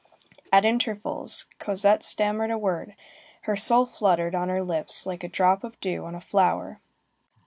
At intervals, Cosette stammered a word. Her soul fluttered on her lips like a drop of dew on a flower.